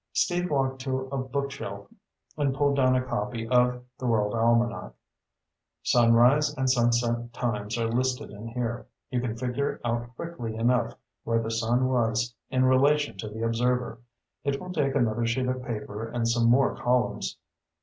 Steve walked to a bookshelf and pulled down a copy of The World Almanac. "Sunrise and sunset times are listed in here. You can figure out quickly enough where the sun was in relation to the observer. It will take another sheet of paper and some more columns."